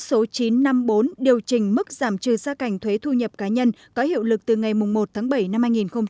số chín trăm năm mươi bốn điều chỉnh mức giảm trừ xa cảnh thuế thu nhập cá nhân có hiệu lực từ ngày một tháng bảy năm hai nghìn hai mươi